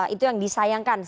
itu yang disayangkan